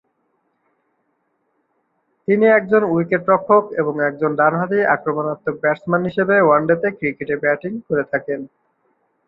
তিনি একজন উইকেট-রক্ষক এবং একজন ডান-হাতি আক্রমণাত্মক ব্যাটসম্যান হিসেবে ওয়ানডেতে ক্রিকেটে ব্যাটিংয়ে করে থাকেন।